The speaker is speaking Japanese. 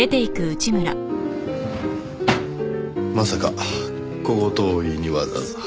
まさか小言を言いにわざわざ。